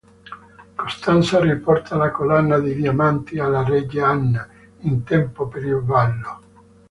Costanza riporta la collana di diamanti alla regina Anna in tempo per il ballo.